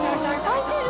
開いてる！